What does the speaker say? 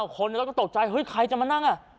คนก็ตกใจเฮ้ยใครจะมานั่งอ่ะ